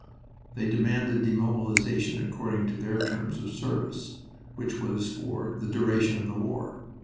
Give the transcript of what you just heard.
They demanded demobilization according to their terms of service, which was for "the duration of the war."